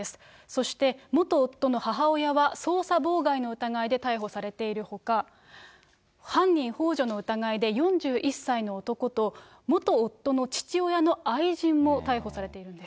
そして、元夫の母親は捜査妨害の疑いで逮捕されているほか、犯人ほう助の疑いで、４１歳の男と、元夫の父親の愛人も逮捕されているんです。